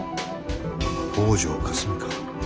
「北條かすみ」か。